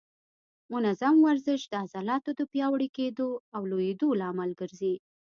منظم ورزش د عضلاتو د پیاوړي کېدو او لویېدو لامل ګرځي.